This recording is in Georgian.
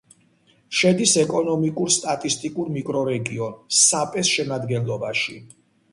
შედის ეკონომიკურ-სტატისტიკურ მიკრორეგიონ საპეს შემადგენლობაში.